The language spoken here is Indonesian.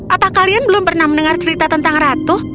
apa kalian belum pernah mendengar cerita tentang ratu